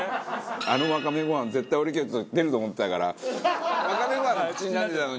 あのわかめご飯絶対俺出ると思ってたからわかめご飯の口になってたのに。